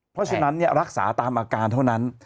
เพราะฉะนั้นรักษาตามอาการเท่านั้น